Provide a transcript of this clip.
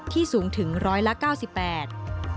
ที่สูงถึง๑๙๘ล้านบาท